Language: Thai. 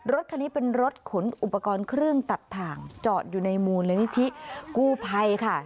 รถคันนี้เป็นรถขนอุปกรณ์เครื่องตัดถ่างจอดอยู่ในมูลนิธิกู้ภัยค่ะ